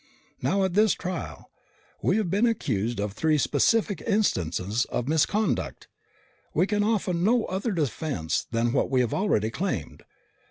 Now at this trial, we have been accused of three specific instances of misconduct. We can offer no other defense than what we have already claimed.